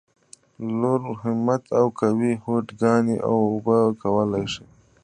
لوړ همت او قوي هوډ کاڼي اوبه کولای شي !